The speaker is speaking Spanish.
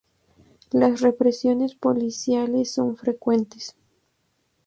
Las represiones policiales son frecuentes..